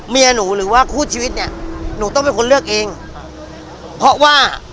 เมียหนูหรือว่าคู่ชีวิตเนี่ยหนูต้องเป็นคนเลือกเองครับเพราะว่า